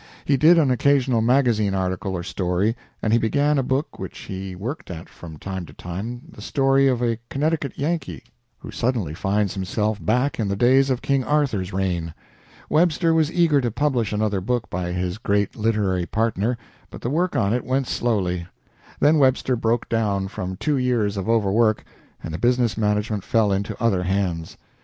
He did an occasional magazine article or story, and he began a book which he worked at from time to time the story of a Connecticut Yankee who suddenly finds himself back in the days of King Arthur's reign. Webster was eager to publish another book by his great literary partner, but the work on it went slowly. Then Webster broke down from two years of overwork, and the business management fell into other hands.